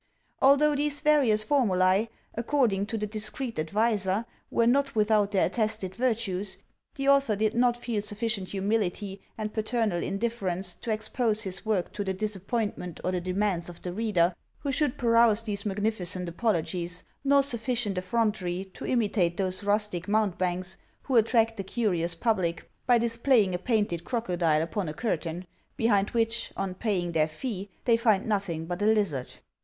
Although these various formulae, according to the discreet adviser, were not without their attested virtues, the author did not feel sufficient humility and paternal indifference to expose his work to the disap pointment or the demands of the reader who should peruse these magnificent apologies, nor sufficient effrontery to imi tate those rustic mountebanks who attract the curious pub PREFACE TO THE SECOND EDITION. 13 lie by displaying a painted crocodile upon a curtain, behind which, on paying their fee, they find nothing but a lizard.